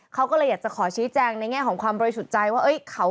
เขาก็เลยอยากจะขอชี้แจงในแง่ของความบริสุทธิ์ใจว่า